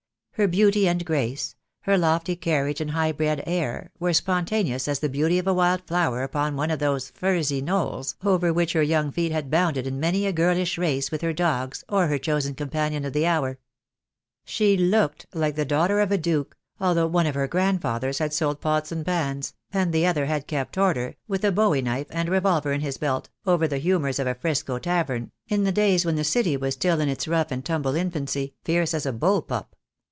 Her beauty and grace, her lofty carriage and high bred air, were spon taneous as the beauty of a wild flower upon one of those furzy knolls over which her young feet had bounded in many a girlish race with her dogs or her chosen com panion of the hour. She looked like the daughter of a duke, although one of her grandfathers had sold pots and pans, and the other had kept order, with a bowie THE DAY WILL COME. I 3 knife and revolver in his belt, over the humours of a 'Frisco tavern, in the days when the city was still in its rough and tumble infancy, fierce as a bull pup.